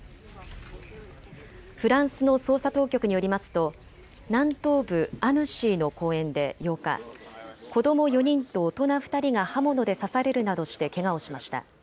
フランスの捜査当局によりますと南東部アヌシーの公園で８日、子ども４人と大人２人が刃物で刺されるなどしてけがをしました。